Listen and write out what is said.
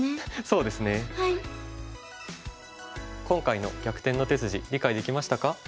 今回の「逆転の手筋」理解できましたか？